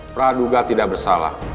praduga tidak bersalah